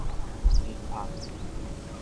日曝